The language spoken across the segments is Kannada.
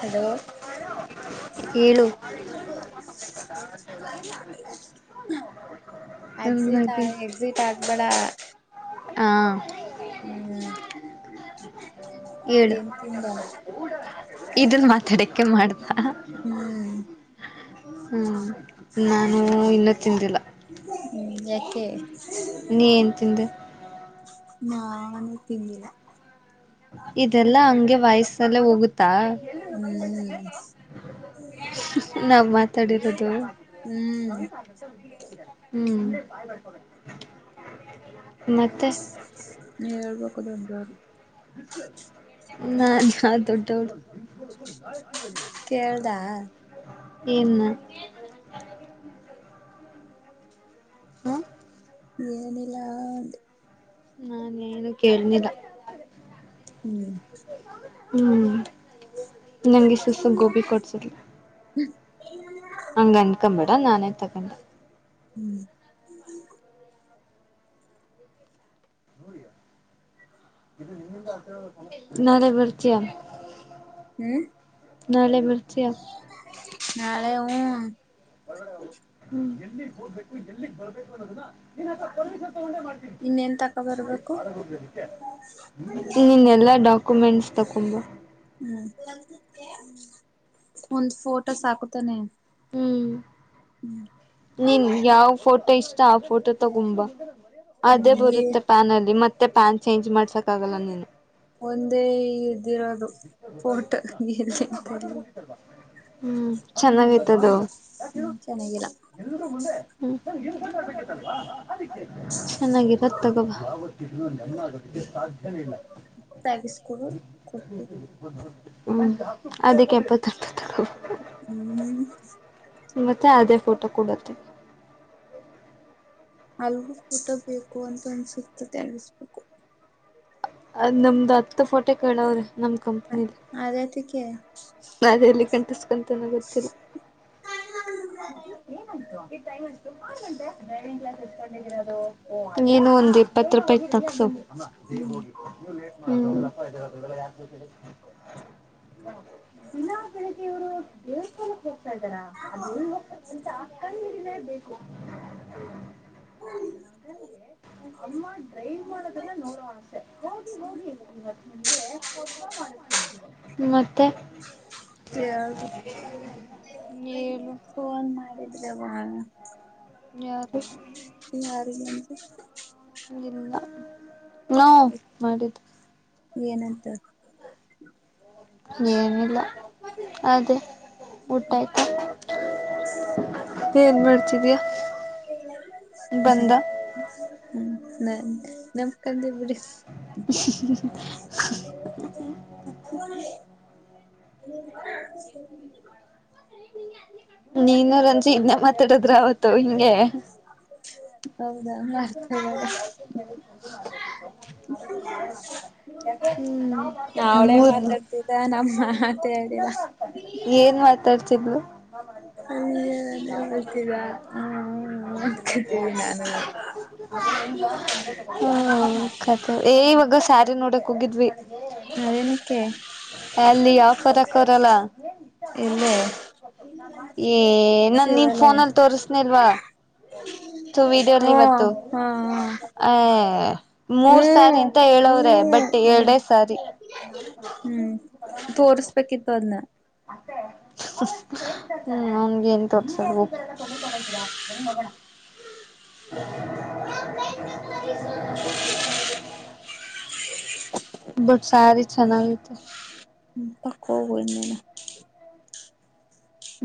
ಹಲೋ. ಹೇಳು [inaudible] ಎಕ್ಸಿಟ್ ಆ ನಮಗೆ ಎಕ್ಸಿಟ್ ಆಗ್ಬೇಡ. ಹಾ. ಹ್ಮ್. ಹೇಳು ಏನ್ ತಿಂದ ಇದನ್ ಮಾತಾಡಕ್ಕೆ ಮಾಡ್ದ. ಹ್ಮ್ ಹ್ಮ ನಾನು ಇನ್ನೂ ತಿಂದಿಲ್ಲ. ಹ್ಮ್ ಯಾಕೆ ನೀ ಏನ್ ತಿಂದೆ ನಾನು ತಿಂದಿಲ್ಲ. ಇದೆಲ್ಲಾ ಹಂಗೆ ವಯಸ್ಸಲ್ಲ ಹೋಗುತ್ತಾ. ಹ್ಮ್. ನಮ್ಮತ್. ಮಾತಾಡಿರೋದು. ಹ್ಮ್ ಹ್ಮ್ ಮತ್ತೆ ಹೇಳಬೇಕು ದೊಡ್ಡವರು. ನಾ ಯಾವ ದೊಡ್ಡೋರು. ಕೇಳ್ದಾ ಏನ್ನ. ಹಾ ಏನಲ್ಲ. ನಾನ್ ಏನು ಕೇಳಲಿಲ್ಲ. ಹ್ಮ್ ಹ್ಮ್ ನಂಗೆ ಸುಸು ಗೋಬಿ ಕೊಡ್ಸಿದ್ಲು. ಹಂಗ ಅಂದ್ಕೊಂಬೇಡ ನಾನೇ ತಗಂದೇ. ಹ್ಮ್. ನಾಳೆ ಬರ್ತಿಯ. ಹ್ಮ್. ನಾಳೆ ಬರ್ತಿಯಾ. ನಾಳೆ ಹೂ [unintelligible] ಇನ್ನೇನ್ ತಗೊಬರ್ಬೇಕು. ನಿನ್ ಎಲ್ಲಾ ಡಾಕ್ಯುಮೆಂಟ್ಸ್ ತಕೊಂಡು ಬಾ. ಹ್ಮ್ ಒಂದ ಫೋಟೋ ಸಾಕು ತಾನೇ. ಹ್ಮ್ [inaudible] ನೀನ್ ಯಾವ್ ಫೋಟೋ ಇಷ್ಟ ಆ ಫೋಟೋ ತಗೊಂಬ ಹ್ಮ್ ಅದೇ ಈ ಬರುತ್ತೆ ಪ್ಯಾನಲ್ಲಿ ಮತ್ತ. ಮತ್ತೆ ಪಾನ್ ಚೇಂಜ್ ಮಾಡ್ಸಕಕ್ಕಗಲ್ಲ ನೀನು. ಒಂದೇ ಇದ್ದಿರೋದು ಫೋಟೊ ಎಲ್ಲಿಂದ ತರ್ಲಿ. ಹ್ಮ್ ಚೆನ್ನಾಗೈತ ಅದು. ಹ್ಮ್ [unintelligible] ಚೆನ್ನಾಗಿಲ್ಲ ಚೆನ್ನಾಗಿರೋದು ತಕೊಂಡುಬಾ. ತೆಗಿಸ್ಕೊಡು. ಹ್ಮ್ ಅದಕ್ಕೆ ಏಪತ್ತು ರೂಪಾಯಿ ಹ್ಮ್ ಮತ್ತೆ ಅದೇ ಫೋಟೋ ಕೊಡು. ಅಲ್ಲುಗು ಫೋಟೋ ಬೇಕು ಅಂತ ಅನ್ನಿಸುತ್ತೆ ತೆಗಿಸಬೇಕು. ಅದ್ ನಮ್ದ್ ಹತ್ತು ಫೋಟೋ ಕೇಳವ್ರಿ ನಮ್ ಕಂಪನಿ ಅಲ್ಲಿ. ಅದ್ಯಾತಿಕ್ಯ. ಅದು ಏನುಕ್ಕೆ ಅಂತ ಗೊತ್ತಿಲ್ಲ. [unintelligible] ನೀನು ಒಂದು್ ಇಪ್ಪತ್ತು ರೂಪಾಯಿಗೆ ತಾಕಿಸ್ಸು. [unintelligible] ಹ್ಮ್ [unintelligible] ದಿನಾ ಬೆಳಿಗ್ಗೆ ಇವರು ದೇವಸ್ಥಾನ ಹೋಗ್ತಾ ಇದ್ದಾರ ಅದ ಎಲ್ಲಿ ಹೋಗ್ತರಂತ ಕಂಡಿಡಿಲ್ಲೆ ಬೇಕು [unintelligible] ಅಮ್ಮ ಡ್ರೈವ್ ಮಾಡೋದನ್ನ ನೋಡುವ ಆಸೆ ಹೋಗಿ- ಹೋಗಿ [unintelligible] [unintelligible] ಮತ್ತೆ ಹೇಳ್ಬೇಕು ಹೇಳು ಫೋನ್ ಮಾಡಿದ್ರವ್ವ ಯಾರು ಯಾರಿಗಾನಂತೆ ಇಲ್ಲ ಹು ಮಾಡಿದ್ವಿ ಏನಂತ ಏನಿಲ್ಲ ಅದೇ ಊಟಾಯ್ತ ಏನ್ ಮಾಡ್ತಿದಿಯ ಬಂದ ಹ್ಮ್ ನಾನ್ ನಮಕಂದೆ ಬಿಡಿ [unintelligible] ತಗೋರಿ [unintelligible] [unintelligible] ನೀನೂ ರಂಜಿ ಇನದ್ನೇ ಮಾತಾಡಿದ್ರ ಅವತ್ತು ಹಿಂಗೆ? ಹೌದಾ ಮರ್ತ ಇದೆದ [unintelligible] [unintelligible] ಹ [unintelligible] ಅವ್ಳೇ ಮೂರ್ ಮಾತಾಡ್ತಿದ್ದಳೆ ನನ್ ಮಾತೆ ಆಡಿಲ್ಲ ಏನ್ ಮಾತಾಡ್ತಿದ್ಲು? [unintelligible] [unintelligible] ಹ್ಮ್ ಹ್ಮ್ ಅಂದಕತೀವಿ ನಾನು ಹ್ಮ ಕಥ ಏ ಇವಾಗ ಸ್ಯಾರಿ ನೋಡಕ್ ಹೋಗಿದ್ವಿ ಅದೇನಕ್ಕೆ ಅಲ್ಲಿ ಆಫರ್ ಅಕೋರಲ್ಲ. ಎಲ್ಲೇ ಏ ನನ್ ನೀನ್ ಶಿವಾಲಯ ಫೋನಲ್ಲಿ ತೋಸ್ನಿಲ್ವಾ? [unintelligible] ವಿಡಿಯೋ ದಲ್ಲಿ ಹ್ಮ ಇವತ್ತು ಹಾ [unintelligible] ಆ ಮೂರ್ ಸಾರಿ ಹ್ಮ್ ಅಂತ ಹೇಳವ್ರೆ ಹ್ಮ್ ಬಟ್ ಹ್ಮ್ ಎರಡೆ ಸರಿ ಹ್ಮ್ ತೋರಸ್ಬೇಕಿತ್ತು ಅದ್ನ್ನ ಹ್ಮ್ ಅವನ್ಗೆ ಏನ ತೋರ್ಸೋದು ಹೋಗು [unintelligible] [unintelligible] [unintelligible] ಬಟ್ ಸಾರಿ ಚೆನ್ನಾಗೈತೆ ಹು ತಕೊ [unintelligible]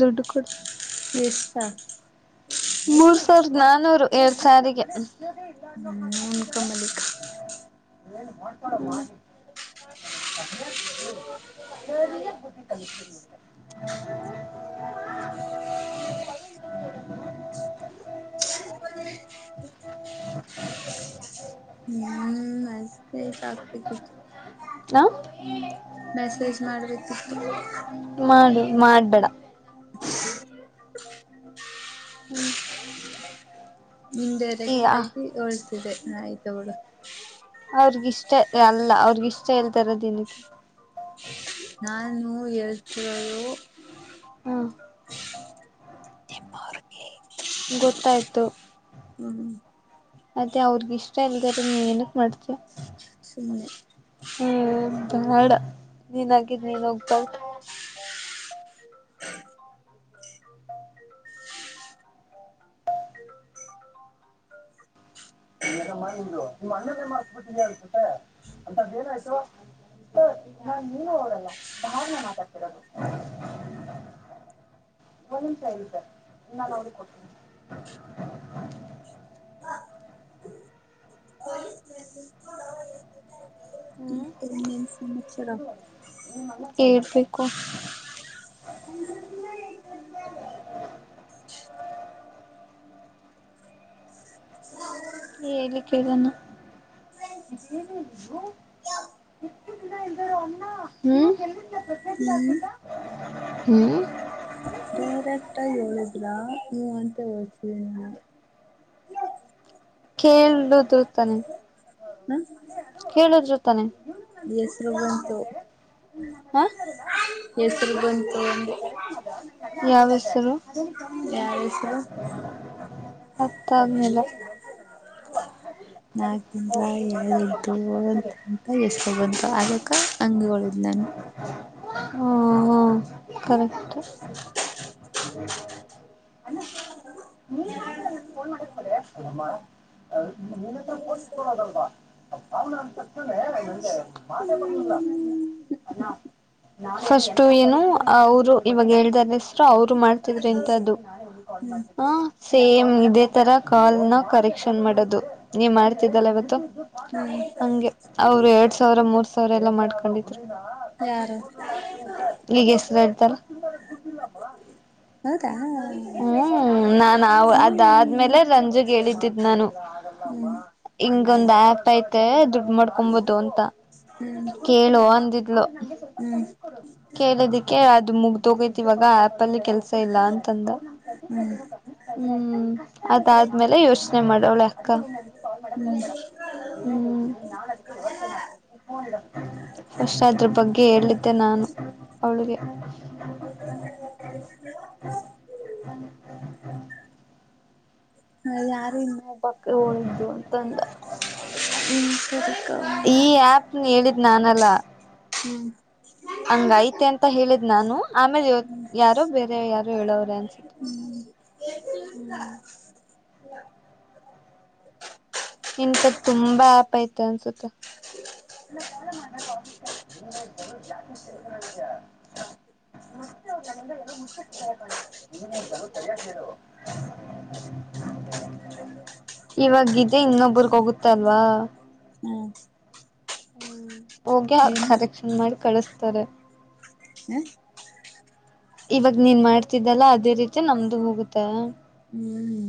ದುಡ್ಡು ಕೊಡು [unintelligible] ಮೂರ್ ಸಾವಿರದ ನಾನೂರು ಎರಡ್ ಸಾರಿ ಗೆ ಹ್ಮ್ ಉಣುಕನ್ ಮಲಿಕೋ ಏನ್ ಮಾಡ್ಕಡ ಮಾಡಿ [unintelligible] [unintelligible] [unintelligible] ಸರಿಯಾಗಿ ಬುದ್ದಿ ಕಳ್ಸ್ತೀನಿ [inaudible] [unintelligible] [unintelligible] [unintelligible] [unintelligible] ಹ್ಮ [unintelligible] ನೈಸ್ ಹಾ ಮೆಸೇಜ್ ಮಾಡ್ಬೇಕಿತ್ತು ಮಾಡು ಮಾಡ್ಬೇಡ [inaudible] [unintelligible] ಈ ಇನ್ಡೈರೆಕ್ಟ್ ಆಗಿ ಹೊಳ್ತಿದ್ದೆ ಆಯ್ತು ಬಿಡು. ಅವ್ರಗಿಷ್ಟ ಅಲ್ಲ ಅವ್ರಗಿಷ್ಟ ಇಲ್ಲದೆ ಇರೋದು ಏನುಕ್ಕೆ. ನಾನು ಹೇಳ್ತಿರೋದು. ಹ್ಮ ನಿಮ್ಮೋರಿಗೆ. ಗೊತ್ತಾಯಿತು. ಹ್ಮ್ ಹ್ಮ್ ಅದೇ ಅವ್ರಗ ಇಷ್ಟ ಇಲ್ಲದೆ ಇರೋದು ಏನಿಕ್ಕೆ ಮಾಡ್ತಿಯಾ. ಸುಮ್ನೆ. ಹ್ಮ್ ಬೇಡ ನೀನಾಗಿ ನೀನೇ ಹೋಗಬೇಡ. [unintelligible] [unintelligible] [unintelligible] [inaudible] ಹ್ಮ್ ಮತ್ತೆ ಇನ್ನೇನ್ ಸಮಾಚಾರ ಹೇಳ್ಬೇಕು. ಹೇಳಿ ಕೇಳೋಣ. ಹ್ಮ ಹ್ಮ್ ಡೈರೆಕ್ಟಾಗಿ ಹೇಳಿದ್ರಾ ಹು ಅಂತ ಹೇಳ್ತಿನಿ ನಿನಗೆ. ಕೇಳುದು ತಾನೆ. ಹ್ಮ ಕೇಳುದ್ರು ತಾನೆ. ಹೆಸರು ಬಂತು. ಹಾ. ಹೆಸರು ಬಂತೂ ಅಂದೇ. ಯಾವ ಹೆಸರು ಯಾರ ಹೆಸರು ಅರ್ಥ ಆಗ್ಲಿಲ್ಲ. ನಾ. ಅಂದ್ರ ಎದ್ದು ಹೋಗು ಅಂತ ಹೆಸರು ಬಂತ ಅದಕ್ಕೆ ಹಂಗ ಹೋಳಿದ್ದು ನಾನು. ಹು ಹು ಕರೆಕ್ಟ್. [unintelligible] [unintelligible] [unintelligible] ಫಸ್ಟ್ ಏನು ಅವರು ಇವಾಗ ಹೇಳ್ದಾರ ಹೆಸರು ಅವ್ರು ಮಾಡ್ತಿದ್ರಿ ಇಂತದ್ದು. ಹ್ಮ್ ಹ ಸೇಮ್ ಇದೇ ತರ ಕಾಲ್ ನ ಕರೆಕ್ಷನ್ ಮಾಡೋದು. ನೀವ್ ಮಾಡ್ತಿದ್ದಲ್ಲ ಇವತ್ತು. ಹ್ಮ್ ಹಂಗೆ ಅವರು ಎರಡ್ ಸಾವಿರ ಮೂರ್ ಸಾವಿರ ಎಲ್ಲ ಮಾಡ್ಕೊಂಡಿದ್ರು. ಯಾರು ಈಗ ಎಷ್ಟು ಹೇಳ್ತಾರ. ಹೌದಾ ಹ್ಮ್ ಹ್ಮ್ ನಾನು ಅವ ಅದಾದ್ಮೇಲೆ ರಂಜುಗೆ ಹೇಳದ್ದಿದ್ದು ನಾನು. ಇಂಗೊಂದಾ ಆ್ಯಪ್ ಐತೆ ದುಡ್ಡು ಮಾಡ್ಕೊಬೋದು ಅಂತ ಹ್ಮ್ ಕೇಳು ಅಂದಿದ್ಲು. ಹ್ಮ್ ಹ್ಮ್ ಕೇಳದಿಕ್ಕೆ ಅದು ಮುಗ್ದೋಗೈತಿ ಇವಾಗ ಆ್ಯಪಲ್ಲಿ ಕೆಲ್ಸ ಇಲ್ಲ ಅಂತಂದ. ಹ್ಮ್. ಹ್ಮ್ ಅದಾದ್ಮೇಲೆ ಯೋಚನೆ ಮಾಡೋಳೆ ಅಕ್ಕ. ಹ್ಮ್ ಹ್ಮ್. ಫಸ್ಟ್ ಅದ್ರ ಬಗ್ಗೆ ಹೇಳಿದ್ದೆ ನಾನು ಅವಳಿಗೆ. ಯಾರು ಇನ್ನೊಬ್ಬ ಅಕ್ಕ ಹೋಳಿದ್ದು ಅಂತಂದ ಹ್ಮ ಸರಿ ಕವ ಹ್ಮ ಹೇಳಿದ್ ನಾನಲ್ಲಾ. ಹ್ಮ್. ಹಂಗ ಐತೆ ಅಂತ ಹೇಳಿದ್ ನಾನು ಆಮೇಲೆ ಯಾರೋ ಬೇರೆ ಯಾರು ಹೇಳೋರೆ ಅನ್ಸುತ್ತ. [unintelligible] ಇಂತದು ತುಂಬಾ ಆಪ್ ಅಯ್ತೆ ಅನ್ನಿಸುತ್ತೆ. [unintelligible] [unintelligible] [unintelligible] ಇವಾಗೇ ಇದೆ ಇನ್ನೊಬ್ರಗ ಹೋಗುತ್ತಲ್ವಾ. ಹ್ಮ ಹೋಗಿ ಅವರು ಕರೆಕ್ಷನ್ ಮಾಡಿ ಕಳಿಸತಾರೆ. ಹ್ಮ. ಇವಾಗ ನೀನ್ ಮಾಡ್ತಿದ್ದಲ್ಲ ಅದೇ ರೀತಿ ನಮ್ದು ಮುಗುತ್ತ. ಹ್ಮ್ಮ್.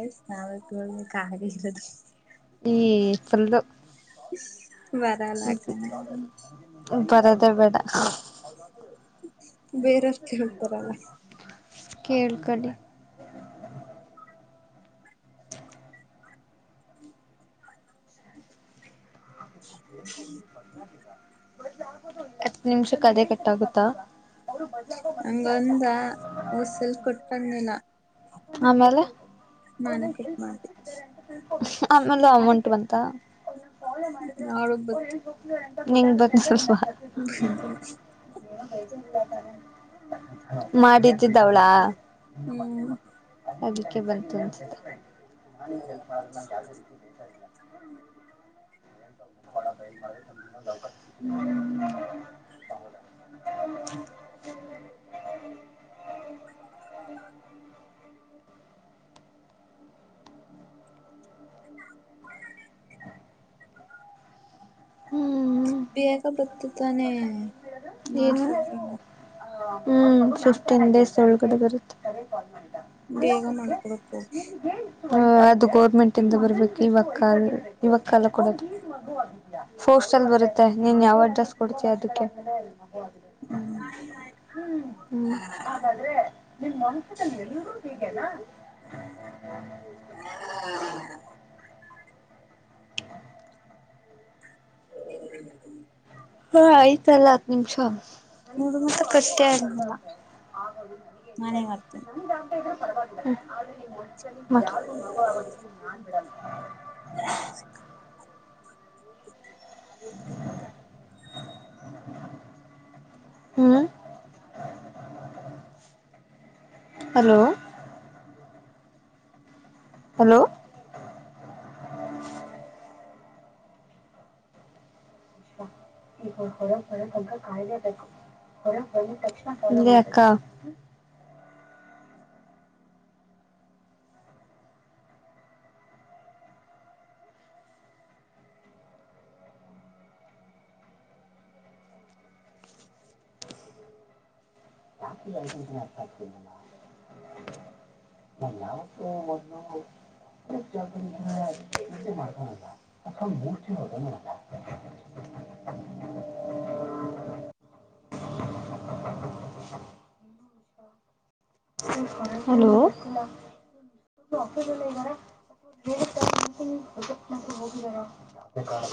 [unintelligible] ಈ [unintelligible] ಬರಲ್ಲ ಕಣೆ. ಬರೋದೇ ಬೇಡ. ಬೇರೆಯವ್ರ್ ಕೇಳ್ತಾರಲ್ಲ ಕೇಳಕಲ್ಲಿ [inaudible] ಹತ್ತು ನಿಮಿಷಕ ಅದೆ ಕಟ್ಟಾಗುತ್ತಾ. ಹಂಗೊಂದ ಉಸಿಲ್ ಕೊಟ್ಟಂಗಿಲ್ಲ. ಆಮೇಲೆ. ನಾನು ಪಿಕ್ ಮಾಡಿದೆ. ಆಮೇಲೆ ಅಮೌಂಟ್ ಬಂತ. ಅವಳಗ್ ಬತ್ತು ನಿಂಗೆ ಬಂದಿಲ್ವ. [inaudible] ಮಾಡಿದ್ದಿದ್ದವಳ. ಹ್ಮ್ ಅದಿಕ್ಕೆ ಬಂತು ಅನ್ನಿಸುತ್ತೆ. [unintelligible] ಹ್ಮ್ ಬೇಗ ಬತ್ತು ತಾನೆ ಏನು ಮಾಡ್ಸಿದ್ರ. ಹ್ಮ್ ಫಿಫ್ಟೀನ್ ಡೇಸ್ ಒಳಗಡೆ ಬರುತ್ತೆ. [unintelligible] ಬೇಗ ಮಾಡಿ ಕೊಡೋಕೆ ಹೋಗಿ ಅದು ಗೌರ್ಮೆಂಟಿಂದ ಬರಬೇಕು ಇವಾಗ ಕಾಲ ಇವಾಗ ಕಾಲ ಕೊಡೋದು. ಫೋಸ್ಟ್ ಅಲ್ ಬರುತ್ತೆ ನೀನ್ ಯಾವ ಅಡ್ರೆಸ್ ಕೊಡ್ತೀಯ ಅದಕ್ಕೆ. ಹ್ಮ್. ಹ್ಮ್ [unintelligible] [inaudible] ಹಾ ಆಯ್ತಲ್ಲ ಹತ್ತು ನಿಮಿಷ. ಹುಡುಗ ಮಾತ್ರ ಕಷ್ಟೇ ಆಗಲ್ಲ ನಾನೇ ಮಾಡ್ತೇನೆ [unintelligible] [unintelligible] [inaudible] ಹ್ಮ್. ಹಲೋ. ಹಲೋ [unintelligible] ಹೇ ಅಕ್ಕಾ. [unintelligible] [inaudible] [unintelligible] [unintelligible] [inaudible] ಹಲೋ [unintelligible]